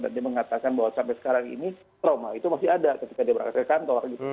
dan dia mengatakan bahwa sampai sekarang ini trauma itu masih ada ketika dia berada di kantor